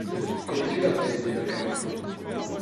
Connais-tu la recette des macarons?